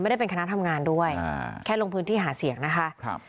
ไม่ได้เป็นคณะทำงานด้วยแค่ลงพื้นที่หาเสียงนะคะ